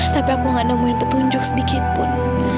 tapi aku tidak menemukan petunjuk sedikitpun